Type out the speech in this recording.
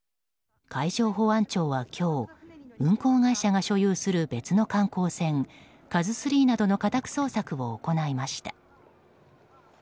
海上保安庁は今日運航会社が所有する別の観光船「ＫＡＺＵ３」などの家宅捜索を行いました。